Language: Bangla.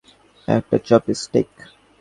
একটা চপ স্টেক।